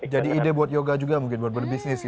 jadi ide buat yoga juga mungkin buat berbisnis gitu ya